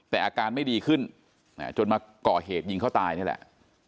แต่อาการไม่ดีขึ้นจนมาก่อเหตุยิงเขาตายนี่แหละ